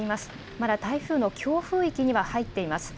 まだ台風の強風域には入っています。